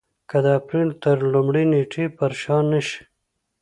که د اپرېل تر لومړۍ نېټې پر شا نه شي.